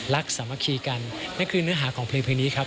สามัคคีกันนั่นคือเนื้อหาของเพลงนี้ครับ